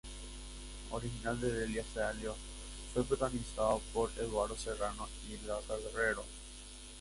Original de Delia Fiallo, fue protagonizada por Eduardo Serrano y Hilda Carrero.